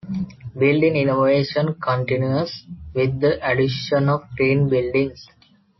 Building innovation continues with the addition of "green" buildings.